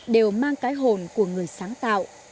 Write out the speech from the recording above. đều mang cái hồn của người sáng tạo